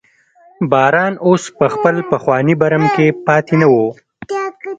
باران اوس په خپل پخواني برم کې پاتې نه و.